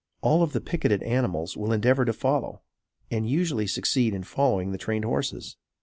All of the picketed animals will endeavor to follow, and usually succeed in following, the trained horses.